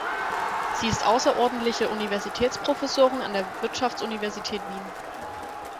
Sie ist außerordentliche Universitätsprofessorin an der Wirtschaftsuniversität Wien.